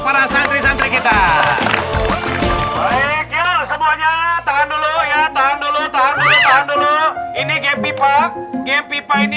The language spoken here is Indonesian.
para santri santri kita baik semuanya tahan dulu ya tahan dulu tahan dulu ini game pipa pipa ini